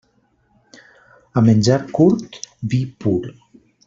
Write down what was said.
A menjar curt, vi pur.